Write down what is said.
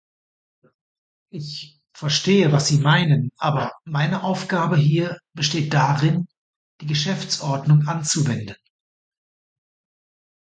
Ich verstehe, was Sie meinen, aber meine Aufgabe hier besteht darin, die Geschäftsordnung anzuwenden.